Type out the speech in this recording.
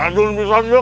adun bisa juga